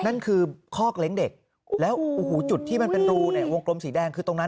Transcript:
นั่นคือคอกเล็งเด็กแล้วจุดที่มันเป็นรูในวงกลมสีแดงคือตรงนั้น